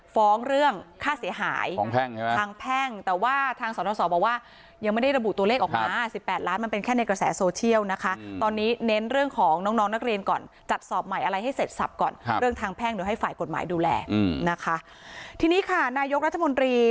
ฟ้องเรื่องค่าเสียหายฟ้องแป้งใช่ไหม